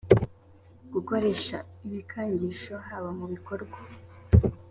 gukoresha ibikangisho haba mu bikorwa